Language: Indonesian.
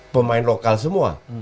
pemain lokal semua